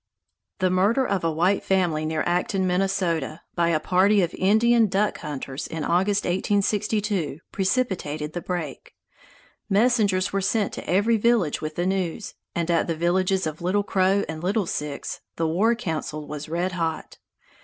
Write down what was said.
The murder of a white family near Acton, Minnesota, by a party of Indian duck hunters in August, 1862, precipitated the break. Messengers were sent to every village with the news, and at the villages of Little Crow and Little Six the war council was red hot.